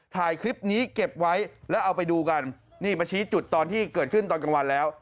ถ่ายคลิปนี้เก็บไว้แล้วเอาไปดูกันนี่มาชี้จุดตอนที่เกิดขึ้นตอนกลางวันแล้ว